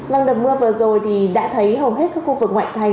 văn đập mưa vừa rồi thì đã thấy hầu hết các khu vực ngoại thay